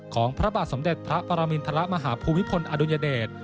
ของพระบาทสมเด็จพระปรมินทรมาฮภูมิพลอดุญเดช